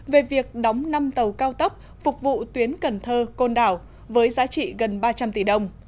về việc đóng năm tàu cao tốc phục vụ tuyến cần thơ côn đảo với giá trị gần ba trăm linh tỷ đồng